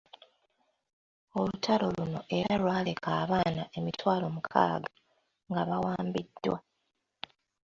Olutalo luno era lwaleka abaana emitwalo mukaaga nga bawambiddwa.